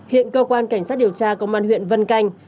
hiện cơ quan cảnh sát điều tra công an huyện vân canh